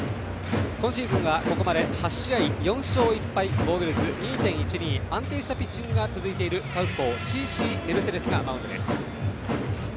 今シーズンはここまで８試合、４勝１敗防御率２．１２と安定したピッチングが続いているサウスポーメルセデスがマウンドです。